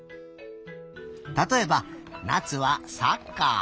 たとえばなつはサッカー。